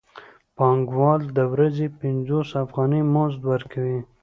پانګوال د ورځې پنځوس افغانۍ مزد ورکوي